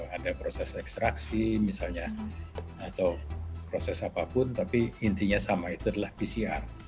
ada proses ekstraksi misalnya atau proses apapun tapi intinya sama itu adalah pcr